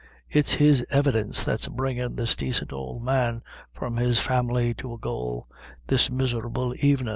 It's his evidence that's bringin' this dacent ould man from his family to a gaol, this miserable evenin'.